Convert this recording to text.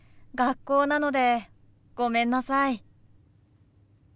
学校なのでごめんなさい。